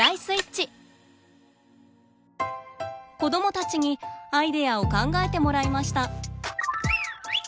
子どもたちにアイデアを考えてもらいました。